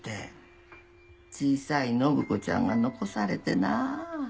小さい展子ちゃんが残されてなあ。